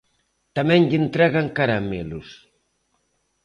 Tamén lle entregan caramelos.